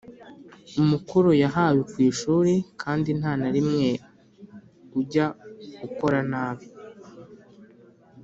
umukoro yahawe ku ishuri Kandi nta na rimwe ujya ukora nabi